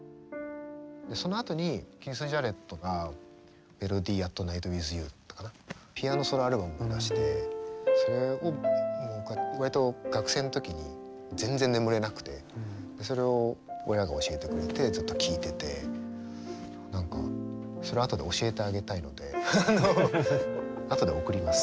そのあとにキース・ジャレットが「ＴｈｅＭｅｌｏｄｙＡｔＮｉｇｈｔ，ＷｉｔｈＹｏｕ」だったかなピアノソロアルバムを出してそれを僕は割と学生の時に全然眠れなくてそれを親が教えてくれてずっと聴いてて何かそれ後で教えてあげたいのであの後で送ります。